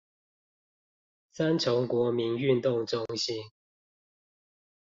三重國民運動中心